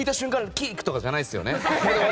キックとかじゃないですよね。